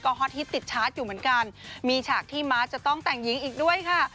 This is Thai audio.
ฮอตฮิตติดชาร์จอยู่เหมือนกันมีฉากที่ม้าจะต้องแต่งหญิงอีกด้วยค่ะ